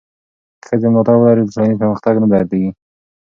که ښځې ملاتړ ولري، ټولنیز پرمختګ نه درېږي.